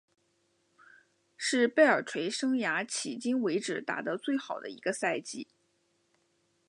是贝尔垂生涯迄今为止打得最好的一个赛季。